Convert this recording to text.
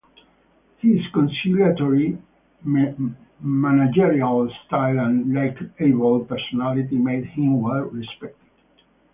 His conciliatory, managerial style and likeable personality made him well respected.